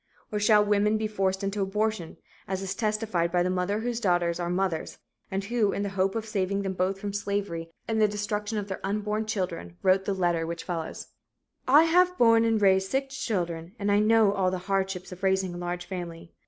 Or shall women be forced into abortion, as is testified by the mother whose daughters are mothers, and who, in the hope of saving them from both slavery and the destruction of their unborn children, wrote the letter which follows: "I have born and raised 6 children and I know all the hardships of raising a large family.